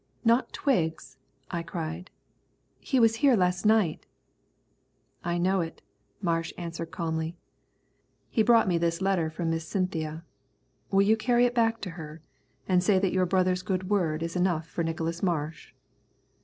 "Not Twiggs!" I cried, "he was here last night." "I know it," Marsh answered calmly. "He brought me this letter from Miss Cynthia. Will you carry it back to her, and say that your brother's word is good enough for Nicholas Marsh?"